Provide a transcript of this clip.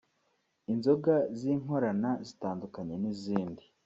inzoga z’inkorana zitandukanye n’ibindi